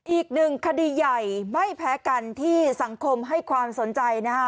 อีกหนึ่งคดีใหญ่ไม่แพ้กันที่สังคมให้ความสนใจนะฮะ